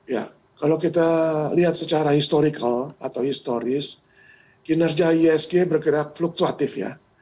ya kalau kita lihat secara historical atau historis kinerja ihsg bergerak fluktuatif ya